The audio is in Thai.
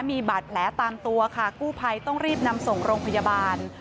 มีบาดแผลตามตัวค่ะกู้ภัยต้องรีบนำส่งโรงพยาบาล